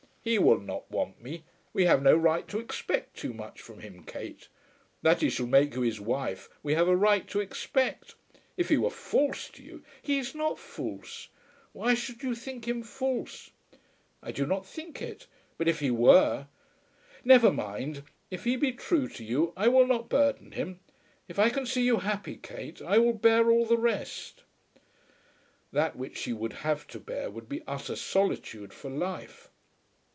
"He will not want me. We have no right to expect too much from him, Kate. That he shall make you his wife we have a right to expect. If he were false to you " "He is not false. Why should you think him false?" "I do not think it; but if he were ! Never mind. If he be true to you, I will not burden him. If I can see you happy, Kate, I will bear all the rest." That which she would have to bear would be utter solitude for life.